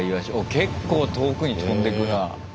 結構遠くに飛んでくな。